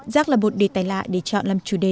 rác là một đề tài lạ để chọn làm chủ đề